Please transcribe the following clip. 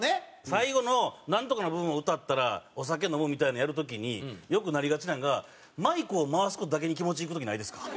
最後のナントカの部分を歌ったらお酒飲むみたいなのをやる時によくなりがちなんがマイクを回す事だけに気持ちいく時ないですか？